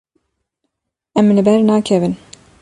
Em li ber nakevin.